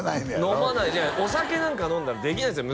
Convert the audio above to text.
飲まないいやお酒なんか飲んだらできないですよ